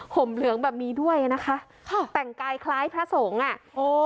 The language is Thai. ห่มเหลืองแบบนี้ด้วยอ่ะนะคะค่ะแต่งกายคล้ายพระสงฆ์อ่ะโอ้